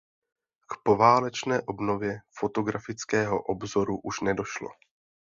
K poválečné obnově Fotografického obzoru už nedošlo.